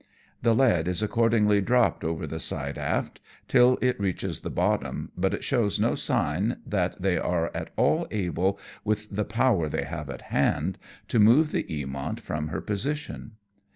The lead is accordingly dropped over the side aft, till it reaches the bottom, but it shows no sign that they are at all able, with the power they have at hand, to move the Eamont from her position.